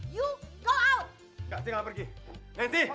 lu itu udah gak dianggap jadi mantu